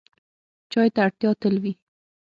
چای ته اړتیا تل وي.